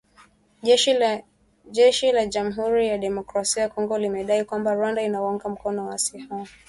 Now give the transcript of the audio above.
jeshi la Jamuhuri ya Demokrasia ya Kongo limedai kwamba Rwanda inawaunga mkono waasi hao